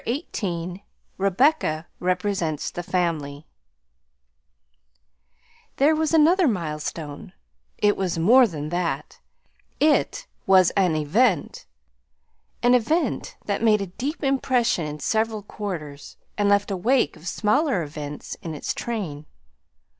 XVIII REBECCA REPRESENTS THE FAMILY There was another milestone; it was more than that, it was an "event;" an event that made a deep impression in several quarters and left a wake of smaller events in its train.